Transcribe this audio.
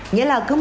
nghĩa là cứu bệnh